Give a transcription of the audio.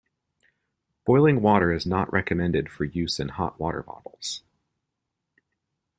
Boiling water is not recommended for use in hot water bottles.